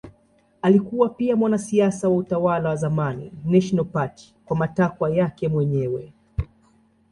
Alikuwa pia mwanasiasa wa utawala wa zamani National Party kwa matakwa yake mwenyewe.